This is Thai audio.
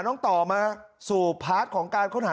มึงอยากให้ผู้ห่างติดคุกหรอ